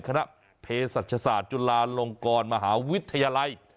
คณะเพศศาสตร์จุฬาลงกรมหาวิทยาลัย